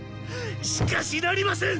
しかしなりません！